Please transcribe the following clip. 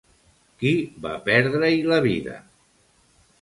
Qui va perdre-hi la vida?